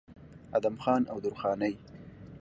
ادم خان او درخانۍ